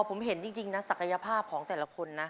ผมเห็นจริงนะศักยภาพของแต่ละคนนะ